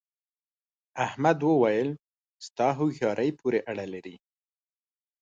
احمد وويل: ستا هوښیارۍ پورې اړه لري.